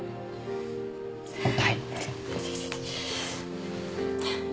はい。